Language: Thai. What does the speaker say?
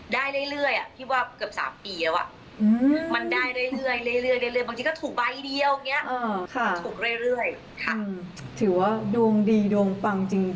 ได้เรื่อยอ่ะพี่ว่าเกือบ๓ปีแล้วอ่ะ